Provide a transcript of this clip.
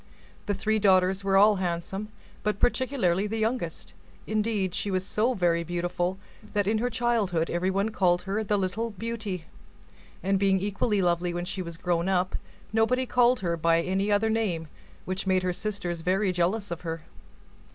The three daughters were all handsome, but particularly the youngest; indeed, she was so very beautiful, that in her childhood everyone called her the Little Beauty; and being equally lovely when she was grown up, nobody called her by any other name, which made her sisters very jealous of her.